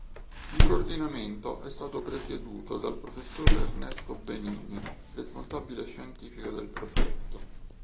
Il coordinamento è stato presieduto dal Professor Ernesto Benini responsabile scientifico del progetto.